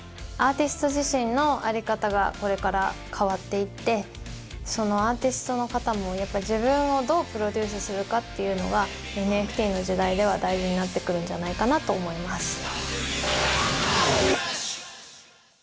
アーティスト自身の在り方がこれから変わっていってアーティストの方も自分をどうプロデュースするかっていうのがＮＦＴの時代では大事になってくるんじゃないかなと思います。